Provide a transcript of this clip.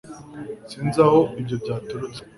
sinzi aho ibyo byaturutse